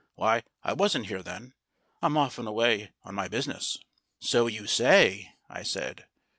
"Why, I wasn't here then. I'm often away on my business." "So you say," I said.